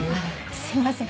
すいません